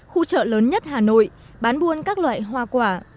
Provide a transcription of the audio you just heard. khu chợ lớn nhất hà nội bán buôn các loại hoa quả